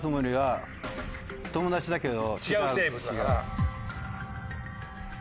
友達だけど。